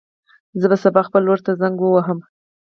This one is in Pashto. زه به سبا خپل ورور ته زنګ ووهم.